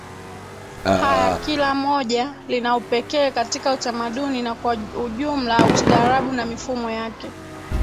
haya kila moja lina upekee katika Utamaduni na kwa ujumla ustaarabu na mifumo yake